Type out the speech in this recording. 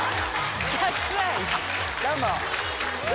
どうも！